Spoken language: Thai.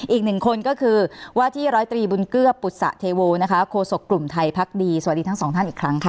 อีกหนึ่งคนก็คือว่าที่ร้อยตรีบุญเกื้อปุศะเทโวนะคะโคศกกลุ่มไทยพักดีสวัสดีทั้งสองท่านอีกครั้งค่ะ